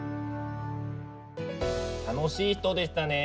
楽しい人でしたね。